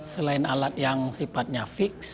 selain alat yang sifatnya fix